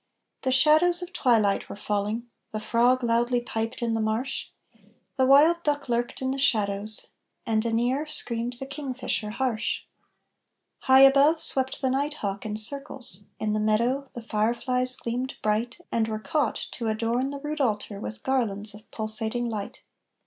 The shadows of twilight were falling, the frog loudly piped in the marsh, The wild duck lurked in the shallows, and anear screamed the kingfisher harsh, High above swept the night hawk in circles, in the meadow the fireflies gleamed bright And were caught, to adorn the rude altar with garlands of pulsating light.